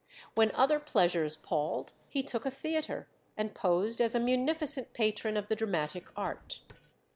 When other pleasures palled he took a theatre, and posed as a munificent patron of the dramatic art.